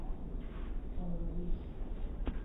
خانه به دوش